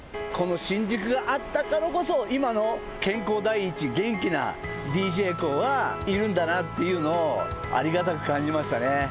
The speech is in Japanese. この新宿があったからこそ今の健康第一元気なＤＪＫＯＯはいるんだなっていうのをありがたく感じましたね。